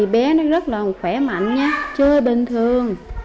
bé nó rất là khỏe mạnh nhé chơi bình thường